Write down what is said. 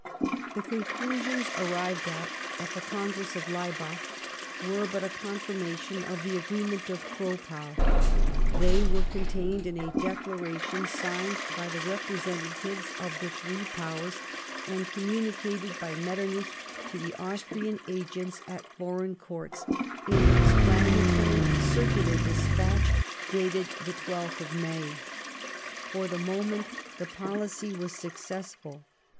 The conclusions arrived at at the Congress of Laibach were but a confirmation of the agreement of Troppau. They were contained in a declaration signed by the representatives of the three Powers, and communicated by Metternich to the Austrian agents at Foreign Courts in an explanatory circular despatch dated the 12th May. For the moment the policy was successful.